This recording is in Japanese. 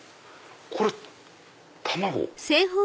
これ卵？